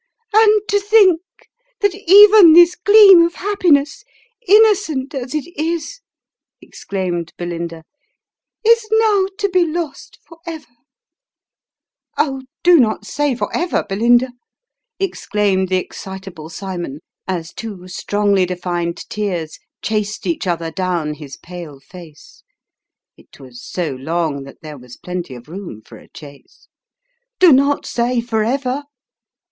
" And to think that even this gleam of happiness, innocent as it is," exclaimed Belinda, " is now to be lost for ever !"" Oh, do not say for ever, Belinda," exclaimed the excitable Cymon, as two strongly defined tears chased each other down his pale face it was so long that there was plenty of room for a chase " Do not say for ever